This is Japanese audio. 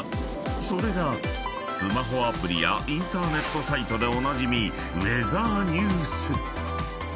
［それがスマホアプリやインターネットサイトでおなじみ］え！